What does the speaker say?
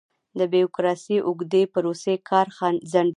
د بیروکراسۍ اوږدې پروسې کار ځنډوي.